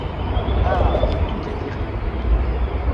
Ah! tout est terrible.